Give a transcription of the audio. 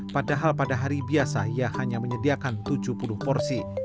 padahal pada hari biasa ia hanya menyediakan tujuh puluh porsi